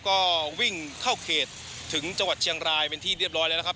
ก็วิ่งเข้าเขตถึงจังหวัดเชียงรายเป็นที่เรียบร้อยแล้วนะครับ